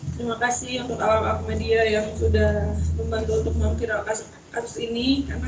terima kasih untuk alam akumedia yang sudah membantu untuk mempunyai kasus ini karena